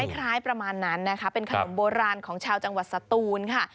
คล้ายประมาณนั้นนะคะเป็นขนมโบราณของชาวจังหวัดสตูนค่ะ